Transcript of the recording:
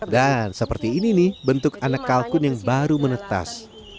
dan seperti ini bentuk anak kalkun yang baru menetes